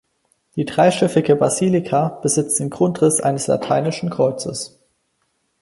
Die dreischiffige Basilika besitzt den Grundriss eines lateinischen Kreuzes.